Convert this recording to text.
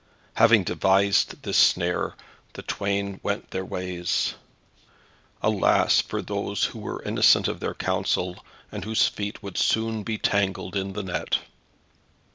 Having devised this snare the twain went their ways. Alas, for those who were innocent of their counsel, and whose feet would soon be tangled in the net.